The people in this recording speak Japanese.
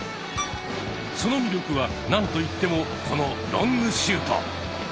その魅力は何と言ってもこのロングシュート！